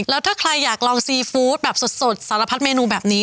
แล้วถ้าใครอยากลองซีฟู้ดแบบสดสารพัดเมนูแบบนี้